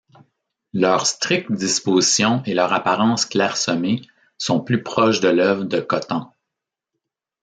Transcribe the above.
Leur stricte disposition et leur apparence clairsemée sont plus proches de l’œuvre de Cotán.